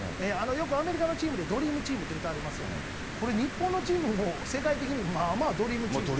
よくアメリカのチームでドリームチームってうたわれますよね、これ、日本のチームも世界的にまあまあドリームチームですよ。